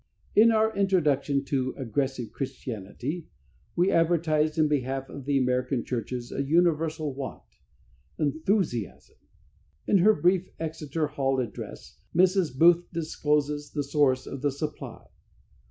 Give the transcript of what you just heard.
In our introduction to "Aggressive Christianity," we advertised, in behalf of the American churches, a universal want Enthusiasm. In her brief Exeter Hall address, Mrs. Booth discloses the source of the supply.